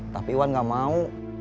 tapi iwan gak mau